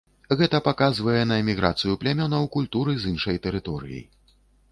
Гэта паказвае на міграцыю плямёнаў культуры з іншай тэрыторыі.